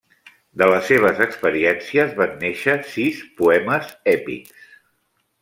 De les seves experiències van néixer sis poemes èpics.